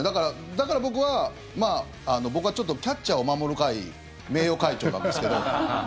だから僕は、僕はちょっとキャッチャーを守る会名誉会長なんですけど。